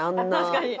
確かに。